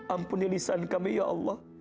ampuni lisan kami ya allah